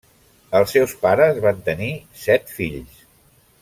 Els seus pares van tenir set fills.